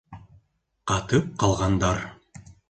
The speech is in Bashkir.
Ҡатып ҡалғандар!